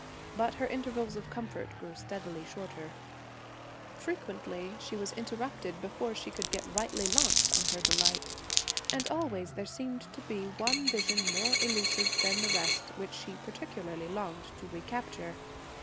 But her intervals of comfort grew steadily shorter; frequently she was interrupted before she could get rightly launched on her delight. And always there seemed to be one vision more illusive than the rest which she particularly longed to recapture.